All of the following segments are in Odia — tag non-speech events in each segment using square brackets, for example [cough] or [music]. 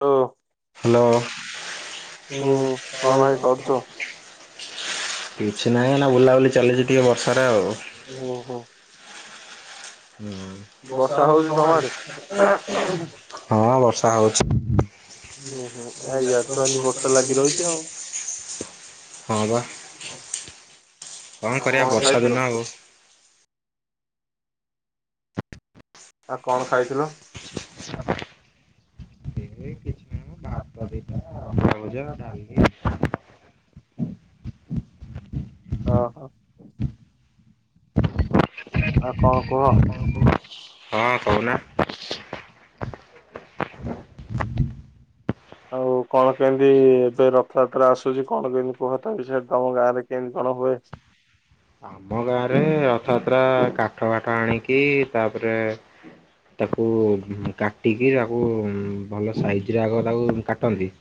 ଓ ହାଲୋ। ହୁଁ କଣ ଭାଇ କରୁଛ? କିଛି ନାହିଁ ଏଇନା ବୁଲାବୁଲି ଚାଲିଚି ଟିକେ ବର୍ଷାରେ ଆଉ। ଓହୋ ହୁଁ। ହଁ ବର୍ଷା ହଉଛି ହଉଚି। ତମ ଆଡେ? [unintelligible] ଉୁଁ ହୁଁ ଆ ୟାର ତ ଏମିତି ବର୍ଷା ଲାଗି ରହିଛି ଆଉ। ହଁ ବା କଣ ଆଉ କରିବା କଣ ବର୍ଷା ଦିନ ଖାଇଥିଲ ଆଉ। କଣ ଖାଇଥିଲ ସାଧା। ଏଇ କିଛି ନାହିଁମ ଭାତ ଦିଟା ଆଉ ଆଳୁ ଭଜା ଡାଲି। ଓ ହୋ। ଆଉ କଣ କୁହ? ମୋ ଅବଡ଼ା ହଁ କହୁନା? ଆଉ କଣ କେମିତି ଏବେ ରଥଯାତ୍ରା ଆସୁଛି କଣ କେମିତି କୁହ ତା ବିକ୍ଷୟରେ କୁହ ସେ ତମ ଗାଁରେ କେମତି କଣ ହୁଏ? ଆମ ଗାଁରେ ରଥଯାତ୍ରା କାଠ ବାଠ ଆଣିକି ତାପରେ ତାକୁ କାଟିକି ତାକୁ ଭଲ ସାଇଜ ରେ ଆଗ ତାକୁ କାଟନ୍ତି।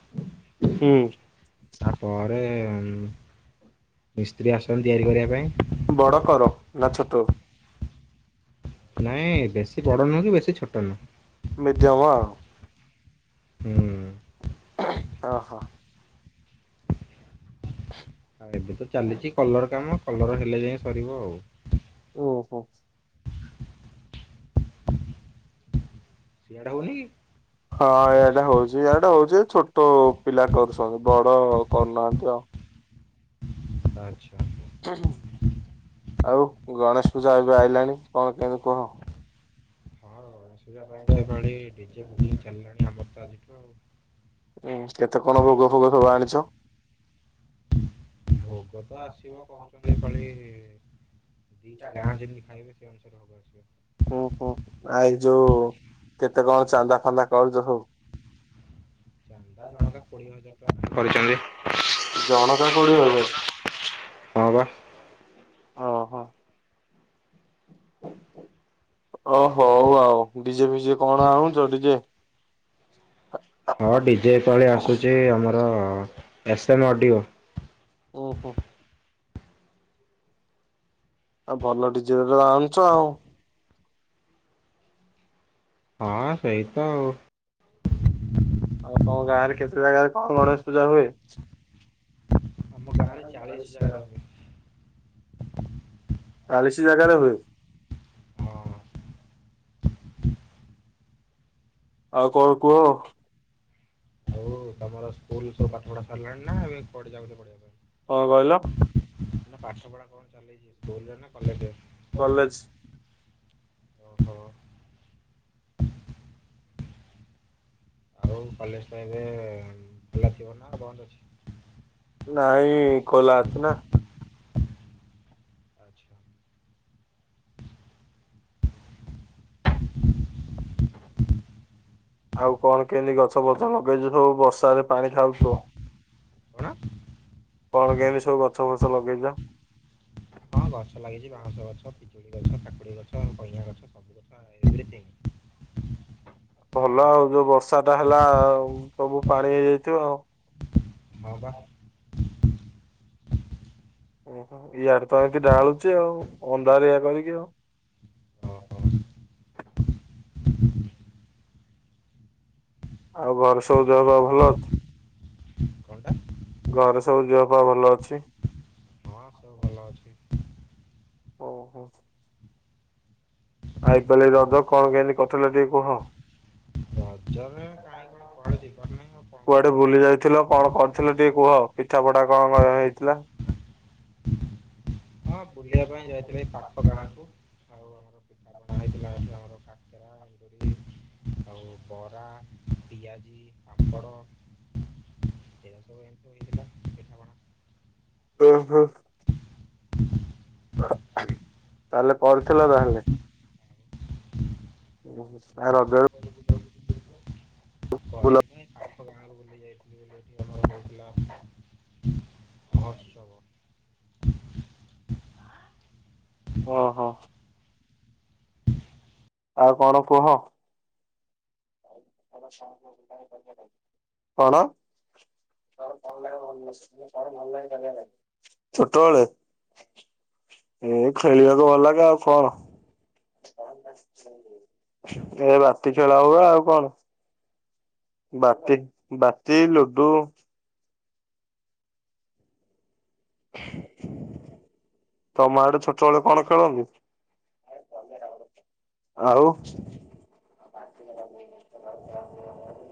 ହୁଁ। ତାପରେ ମିସ୍ତ୍ରୀ ଆସନ୍ତି ତିଆରି କରିବା ପାଇଁ। ବଡ କର ନା ଛୋଟ। ନାଇଁ ବେଶୀ ବଡ ନୁହଁ କି ବେଶୀ ଛୋଟ ନୁହଁ ମିଡିଅମ୍ ଆଉ। ହୁଁ ଓହୋ। ଏବେ ତ ଚାଲିଛି କଲର କାମ କଲର ହେଲେ ଯାଇ ସରିବ ଆଉ। ଓହୋ। ସିଆଡ଼େ ହଉନି କି? ହଁ ଏଆଡେ ହଉଛି। ୟଆଡେ ହଉଛି ଛୋଟ ପିଲା କରୁଛନ୍ତି ବଡ କରୁନାହାନ୍ତି ଆଉ। ଆଚ୍ଛା। ଆଉ ଗଣେଶ ପୂଜା ଏବେ ଆଇଲାଣି କଣ କେମତି କୁହ। ହଁ ଗଣେଶ ପୂଜା ପାଇଁ ତ ଏଭଳି ଡିଜେ ବୁକିଂ ଚାଲିଲାଣି ଆମର ତ ଆଜିଠୁ ଆଉ। ହୁଁ କେତେ କଣ ଭୋଗ ଫୋଗ ସବୁ ଆଣିଛ? ଭୋଗ ତ ଆସିବ କହୁଛନ୍ତି କାଳି। ଦିଟା ଗାଁ ଯେମିତି ଖାଇବେ ସେ ଅନୁସାରେ ହବ ହୁଁ ହୁଁ ଆସିବ। ଆଇ ଯୋଉ କେତେ କଣ ଚାନ୍ଦା ଫାନ୍ଦା କରୁଛ ସବୁ? ଚାନ୍ଦା ଜଣକା କୋଡିଏ ହଜାର ଟଙ୍କା କରିଛନ୍ତି। ଜଣକା କୋଡିଏ ହଜାର। ହଁ ପା। ଓହୋ। ଓ ହଉ ଆଉ ଡିଜେ ଫିଜେ କଣ ଆଣୁଛ ଡିଜେ ହଁ ଡିଜେ ଏ ପାଳି ଆସୁଛି ଆମର। S M audio. ଓ ହୋ। ଆଉ ଭଲ ଡିଜେ ବାଜା ଆଣୁଛ ଆଉ। ହଁ ସେଇ ତ ଆଉ। ଆଉ ତମ ଗାଁ ରେ କେତେ ଜାଗାରେ କଣ ଗଣେଶ ପୂଜା ହୁଏ? ଆମ ଗାଁରେ ଚାଳିଶ ଜାଗାରେ ହୁଏ। ଚାଲିଶ ଜାଗାରେ ହୁଏ? ହଁ। ଆଉ କଣ କୁହ? ହଉ ତମର ସ୍କୁଲ ସବୁ ପାଠ ପଢା ସାରିଲାଣି ନା ଏବେ କୁଆଡେ ଯାଉ ପଢିବା ପାଇଁ? କଣ କହିଲ? ପାଠ ପଢ଼ା କଣ ଚାଲିଚି ସ୍କୁଲ ରେ ନା କଲେଜ ରେ? କଲେଜ ଓ ହୋ। ଆଉ କଲେଜ ଟା ଏବେ ଖୋଲା ଥିବ ନା ବନ୍ଦ ଅଛି? ନାଇଁ ଖୋଲା ଅଛି ନା। ଆଚ୍ଛା ଆଉ କଣ କେମିତି ଗଛ ଫଛ ଲଗେଇଛୁ ସବୁ ବର୍ଷାରେ ପାଣି ଖାଉଥିବ? କଣ କଣ କେମିତି ସବୁ ଗଛ ଫଛ ଲଗେଇଚ? ହଁ ଗଛ ଲାଗିଛି ବାଉଁଶ ଗଛ, ପିଜୁଳି ଗଛ, କାକୁଡି ଗଛ, କଇୟା ଗଛ ସବୁ। କେମିତି? ଭଲ ଆଉ ଯୋଉ ବର୍ଷା ଟା ହେଲା ସବୁ ପାଣି ହେଇଯାଇଥିବ ଆଉ। ହଁ ବା। ଓହୋ ଇଆଡ଼େ ତ ଏମିତି ଢ଼ାଳୁଛି ଆଉ ଅନ୍ଧାରିଆ କରିକି ଆଉ। ଓହୋ। ଆଉ ଘରେ ସବୁ ଦେହ ପାଆ ଭଲ ଅଛି? କଣଟା? ଘରେ ସବୁ ଦେହ ପା ଭଲ ଅଛି? ହଁ ସବୁ ଭଲ ଅଛନ୍ତି। ଓହୋ। ଆଉ ଏପାଳି ରଜ କଣ କେମିତି କଟିଲା ଟିକେ କୁହ? ରଜ ରେ କାଇଁ କଣ କୁଆ କୁଆଡେ ବୁଲି ଯାଇଥିଲ କଣ କରିଥିଲ ଟିକେ କୁହ ପିଠା ପଢା କଣ କଣ ହେଇଥିଲା? ହଁ ବୁଲିବା ପାଇଁ ଯାଇଥିଲି ଏଇ ପାଖ ଗାଁକୁ। ଆଉ ଆମର ପିଠାପଣା ହେଇଥିଲା ଆମର କାକରା, ଏଣ୍ଡୁରି ଆଉ ବରା, ପିଆଜି, ପାମ୍ପଡ଼ ଏମିତି। ସବୁ ହେଇଥିଲା ପିଠାପଣା ଓ ହୋ। ତାହେଲେ କରିଥିଲ ତାହେଲେ? ଓ ହୋ ରଜରେ [unintelligible] ବୁଲ ପାଖ ଗାଁ କୁ ବୁଲି ଯାଇଥିଲି ଆମର [unintelligible] ହେଉଥିଲା ମହୋତ୍ସବ। ଓହୋ। ଆଉ କଣ କୁହ? କଣ? ଛୋଟ ବେଳେ? ଏ ଖେଳିବାକୁ ଭଲ ଲାଗେ ଆଉ କଣ। ଏ ବାଟି ଖେଳ ହୁଏ ଆଉ କଣ? ବାତି, ଲୁଡୁ। ତମ ଆଡ଼େ ଛୋଟବେଳେ କଣ ଖେଳନ୍ତି? ଆଉ